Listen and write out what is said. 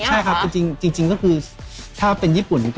ใช่ครับจริงก็คือถ้าเป็นญี่ปุ่น